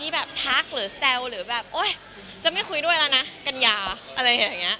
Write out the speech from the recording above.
แบบทักหรือแซวหรือแบบโอ๊ยจะไม่คุยด้วยแล้วนะกัญญาอะไรอย่างนี้